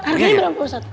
harganya berapa pak ustadz